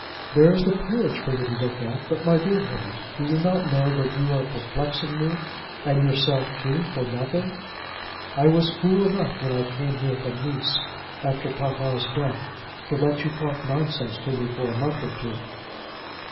"There is the Peerage for you to look at. But, my dear Harry, do you not know that you are perplexing me and yourself too, for nothing? I was fool enough when I came here from Nice, after papa's death, to let you talk nonsense to me for a month or two."